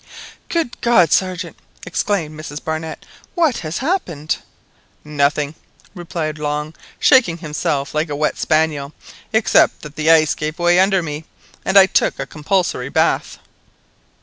"Good God! Sergeant!" exclaimed Mrs Barnett; "what has happened?" "Nothing," replied Long, shaking himself like a wet spaniel, "except that the ice gave way under me, and I took a compulsory bath."